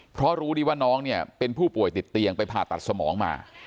เพราะรู้ดีว่าน้องเนี่ยเป็นผู้ป่วยติดเตียงไปผ่าตัดสมองมา